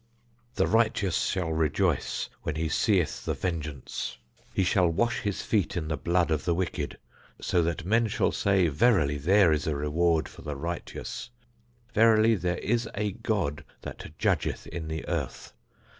The righteous shall rejoice when he seeth the vengeance; he shall wash his feet in the blood of the wicked; so that men shall say, Verily there is a reward for the righteous, verily there is a God that judgeth in the earth.